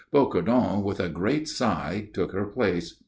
Bocardon, with a great sigh, took her place.